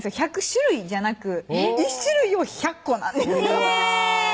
１００種類じゃなく１種類を１００個なんですようわ